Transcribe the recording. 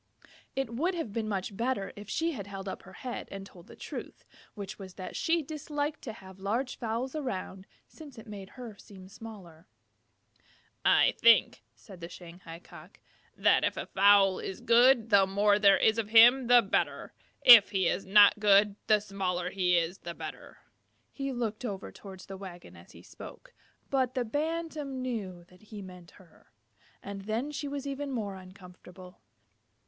It would have been much better if she had held up her head and told the truth, which was that she disliked to have large fowls around, since it made her seem smaller. "I think," said the Shanghai Cock, "that if a fowl is good, the more there is of him the better. If he is not good, the smaller he is the better." He looked over towards the wagon as he spoke, but the Bantam knew that he meant her, and then she was even more uncomfortable.